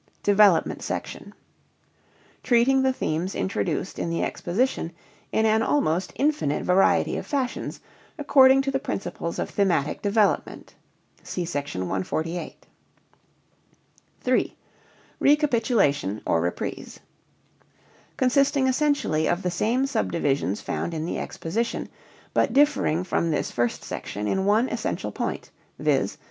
DEVELOPMENT SECTION Treating the themes introduced in the exposition in an almost infinite variety of fashions, according to the principles of thematic development. (See Sec. 148). III. RECAPITULATION (OR REPRISE) Consisting essentially of the same subdivisions found in the exposition, but differing from this first section in one essential point, viz.